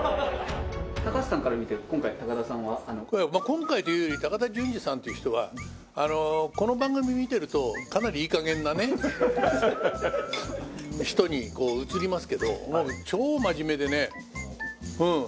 高橋さんから見て今回高田さんは。まあ今回というより高田純次さんっていう人はこの番組見てるとかなりいい加減な人に映りますけどもう超真面目でねうん。